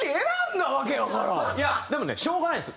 いやでもねしょうがないんです。